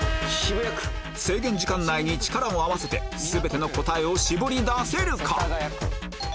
制限時間内に力を合わせて全ての答えを絞り出せるか⁉